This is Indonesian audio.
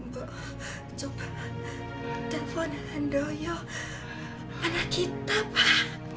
bu coba telepon handoyo pada kita pak